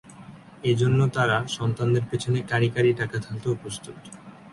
এ জন্য তাঁরা সন্তানদের পেছনে কাঁড়ি কাঁড়ি টাকা ঢালতেও প্রস্তুত।